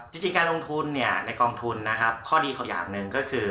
จริงการลงทุนเนี่ยในกองทุนนะครับข้อดีเขาอย่างหนึ่งก็คือ